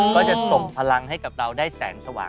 ก็จะส่งพลังให้กับเราได้แสงสว่าง